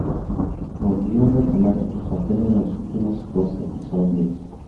Volvió a retomar el papel en los últimos dos episodios.